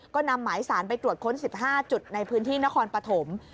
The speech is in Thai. ก็นำหมายสารไปตรวจค้น๑๕จุดในพื้นที่นครปฐม